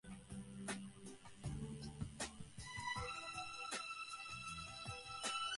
When some moves seem equal in its evaluation, it makes random moves.